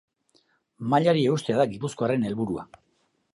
Mailari eustea da gipuzkoarren helburua.